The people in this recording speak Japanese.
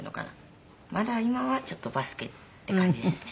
まだ今はちょっとバスケっていう感じですね。